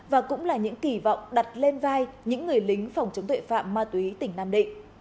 và cũng là những kỳ vọng đặt lên vai những người lính phòng chống tuệ phạm ma túy tỉnh nam định